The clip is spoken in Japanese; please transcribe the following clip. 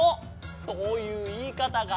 そういういいかたがあるの。